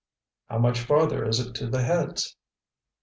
"How much farther is it to the Heads?"